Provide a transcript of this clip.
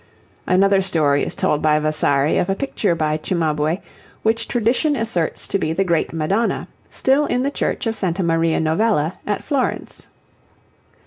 Another story is told by Vasari of a picture by Cimabue, which tradition asserts to be the great Madonna, still in the Church of Santa Maria Novella at Florence.